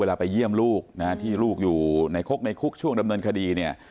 เวลาไปเยี่ยมลูกที่ลูกอยู่ในคุกช่วงดำเนินคดี